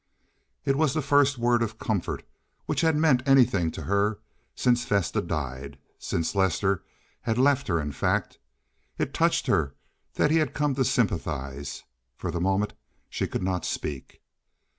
It was the first word of comfort which had meant anything to her since Vesta died—since Lester had left her, in fact. It touched her that he had come to sympathize; for the moment she could not speak.